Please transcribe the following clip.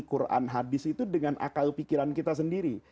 quran hadis itu dengan akal pikiran kita sendiri